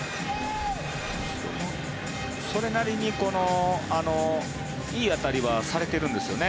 それなりにいい当たりはされてるんですよね